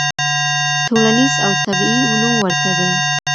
ټولنيز او طبيعي علوم ورته دي.